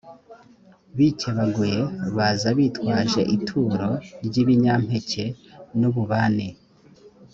bikebaguye baza bitwaje ituro ry ibinyampeke n ububani